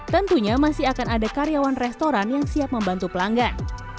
tentunya masih akan ada karyawan restoran yang siap membantu pelanggan